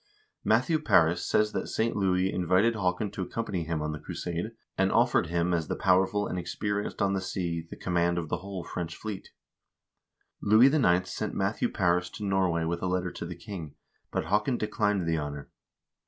Matthew Paris says that St. Louis invited Haakon to accompany him on the crusade, and offered him as "the powerful and experienced on the sea " the command of the whole French fleet.1 Louis IX. sent Matthew Paris to Norway with a letter to the king,2 but Haakon declined the honor.